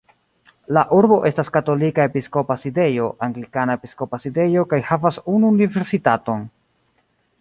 La urbo estas katolika episkopa sidejo, anglikana episkopa sidejo kaj havas unu universitaton.